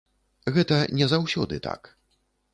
Гэта не заўсёды так.